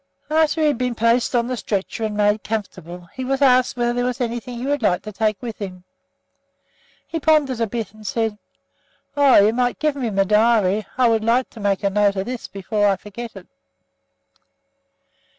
After he had been placed on the stretcher and made comfortable, he was asked whether there was anything he would like to take with him. He pondered a bit, and then said: "Oh! you might give me my diary I would like to make a note of this before I forget it!"